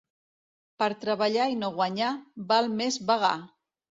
Per treballar i no guanyar, val més vagar.